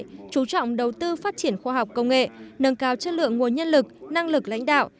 chú trọng đầu tư phát triển khoa học công nghệ nâng cao chất lượng nguồn nhân lực năng lực lãnh đạo